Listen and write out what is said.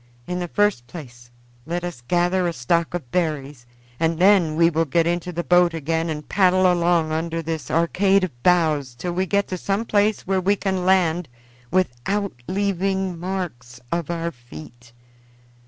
In the first place let us gather a stock of berries, and then we will get into the boat again and paddle along under this arcade of boughs till we get to some place where we can land without leaving marks of our feet.